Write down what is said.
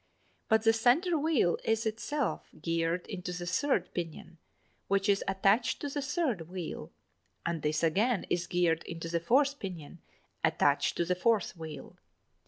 But the center wheel is, itself, geared into the third pinion, which is attached to the third wheel (3), and this again is geared into the fourth pinion attached to the fourth wheel (4).